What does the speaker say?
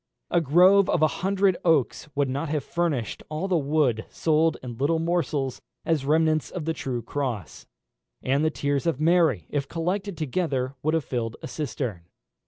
A grove of a hundred oaks would not have furnished all the wood sold in little morsels as remnants of the true cross; and the tears of Mary, if collected together, would have filled a cistern.